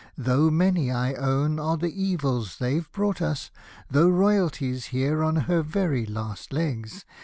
Though many, I own, are the evils they've brought us, Though Royalty's here on her very last legs.